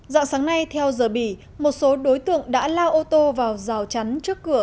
dạng sáng nay theo giờ bỉ một số đối tượng đã lao ô tô vào rào chắn trước cửa